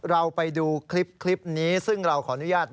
เราไปดูคลิปนี้ซึ่งเราขออนุญาต